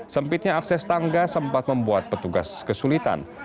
sempitnya akses tangga sempat membuat petugas kesulitan